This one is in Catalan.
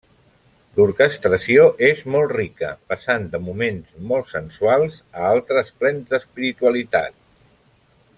L'orquestració és molt rica, passant de moments molt sensuals a altres plens d'espiritualitat.